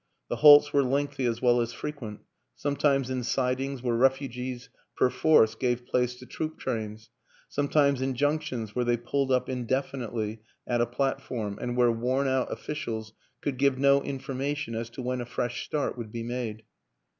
The halts were lengthy as well as frequent; sometimes in sidings where refugees perforce gave place to troop trains, sometimes in junctions where they pulled up indefinitely at a platform and where worn out officials could give no information as to when a fresh start would be made.